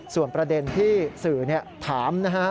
ส่วนประเด็นที่สื่อถามนะฮะ